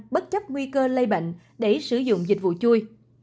bất chấp nguy cơ lây bệnh để sử dụng dịch vụ chui